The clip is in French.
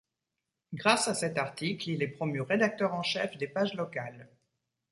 Grâce à cet article, il est promu rédacteur en chef des pages locales.